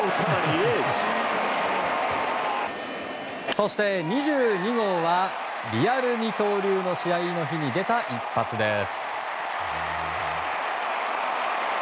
そして２２号はリアル二刀流の試合の日に出た一発です。